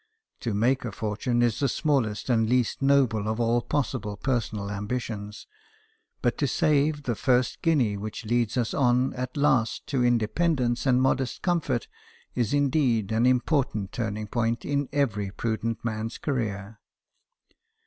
To make a fortune is the smallest and least noble of all possible personal ambitions ; but to save the first guinea which leads us on at last to independence and modest comfort is indeed an important turning point in every prudent man's career.